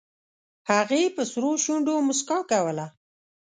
هغې په سرو شونډو موسکا کوله